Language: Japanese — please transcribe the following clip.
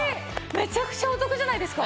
めちゃくちゃお得じゃないですか。